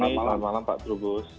selamat malam pak trubus